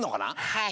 はい。